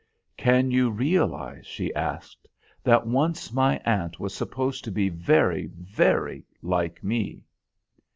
"Can you realise," she asked, "that once my aunt was supposed to be very, very like me?"